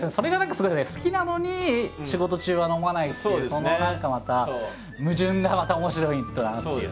好きなのに仕事中は飲まないっていうその何かまた矛盾がまた面白いのかなっていう。